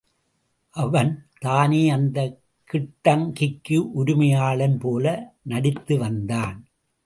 அவன், தானே அந்தக் கிட்டங்கிக்கு உரிமையாளன்போல நடித்து வந்தான்.